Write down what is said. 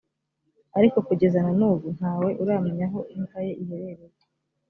ariko kugeza na n’ubu nta we uramenya aho imva ye iherereye.